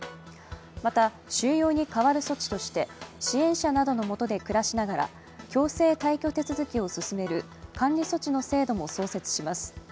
また、収容に変わる措置として支援者などのもとで暮らしながら強制退去手続きを勧める監理措置の制度も創設します。